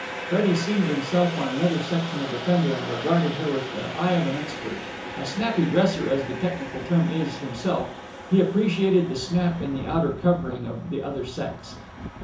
Freddie seated himself on another section of the fender, and regarded her with the eye of an expert. A snappy dresser, as the technical term is, himself, he appreciated snap in the outer covering of the other sex.